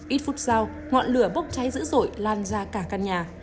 ít phút sau ngọn lửa bốc cháy dữ dội lan ra cả căn nhà